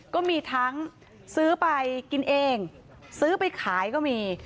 ก็มีทั้งซื้อไปกินเองซื้อไปขายก็มี